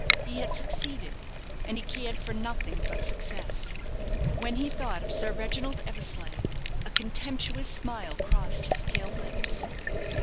He had succeeded, and he cared for nothing but success. When he thought of Sir Reginald Eversleigh, a contemptuous smile crossed his pale lips.